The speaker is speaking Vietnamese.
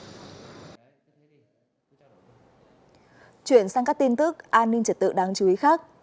chuyển sang các tin tức an ninh trật tự đáng chú ý khác